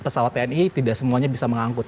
pesawat tni tidak semuanya bisa mengangkut